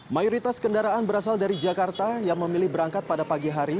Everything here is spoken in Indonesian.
mayoritas kendaraan berasal dari jakarta yang memilih berangkat pada pagi hari